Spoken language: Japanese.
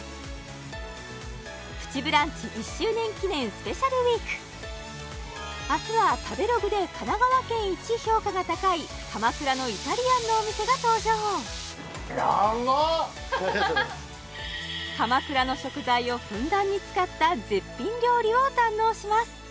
プチブランチ１周年記念スペシャルウィーク明日は食べログで神奈川県一評価が高い鎌倉のイタリアンのお店が登場ヤッバ鎌倉の食材をふんだんに使った絶品料理を堪能します